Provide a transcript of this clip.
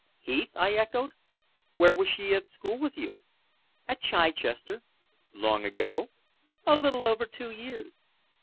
"Heath!" I echoed. "Where was she at school with you?" "At Chichester." "Long ago?" "A little over two years."